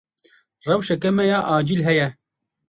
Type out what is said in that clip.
Rewşeke me ya acîl heye.